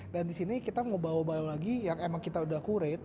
dan disini kita mau bawa bawa lagi yang emang kita udah curate